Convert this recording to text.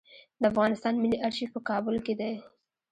د افغانستان ملي آرشیف په کابل کې دی